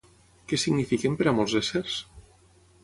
Què signifiquen per a molts éssers?